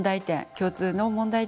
共通の問題点